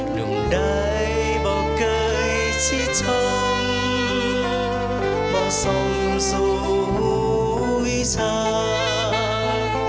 หนุ่มได้บ่เกยชิชมบ่สมสูหุวิชา